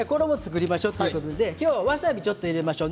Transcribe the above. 今日わさびをちょっと入れましょう。